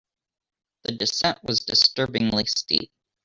The descent was disturbingly steep.